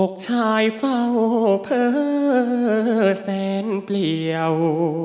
ชายเฝ้าเผลอแสนเปลี่ยว